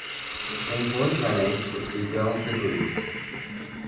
A boy ran out with the girl to greet.